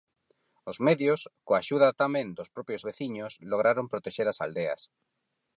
Os medios, coa axuda tamén dos propios veciños, lograron protexer as aldeas.